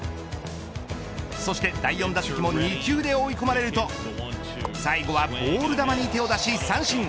そして第４打席も２球で追い込まれると最後はボール球に手を出し三振。